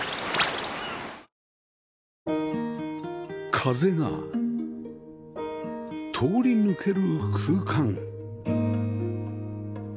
風が通り抜ける空間